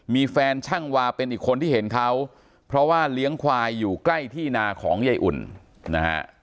มีแฟนช่างวาเป็นอีกคนที่เห็นเขาเพราะว่าเลี้ยงควายอยู่ใกล้ที่นาของยายอุ่นนะฮะ